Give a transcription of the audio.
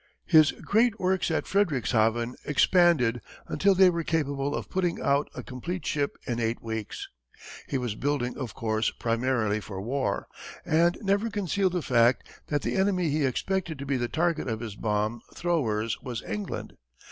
His great works at Friedrichshaven expanded until they were capable of putting out a complete ship in eight weeks. He was building, of course, primarily for war, and never concealed the fact that the enemy he expected to be the target of his bomb throwers was England.